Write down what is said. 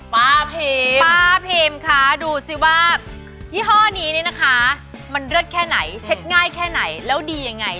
ป้าพิมป้าพิมคะดูสิว่ายี่ห้อนี้นี่นะคะมันเลิศแค่ไหนเช็ดง่ายแค่ไหนแล้วดียังไง